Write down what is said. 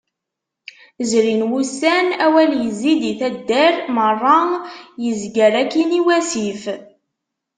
Zrin wussan awal yezzi-d i taddar, merra. Yezger akin i wasif.